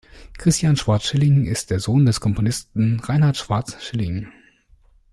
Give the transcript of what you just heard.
Christian Schwarz-Schilling ist der Sohn des Komponisten Reinhard Schwarz-Schilling.